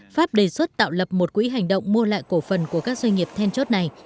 pháp đề xuất tạo lập một quỹ hành động mua lại cổ phần của các doanh nghiệp then chốt này